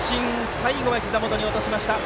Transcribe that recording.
最後はひざ元に落としました。